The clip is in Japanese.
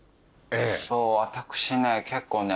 そう私ね結構ね。